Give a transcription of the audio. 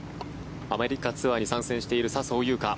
アメリカツアーに参戦している笹生優花。